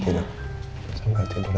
ini anaknya mau tidur lagi